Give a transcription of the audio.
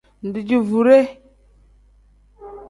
Dijoovure.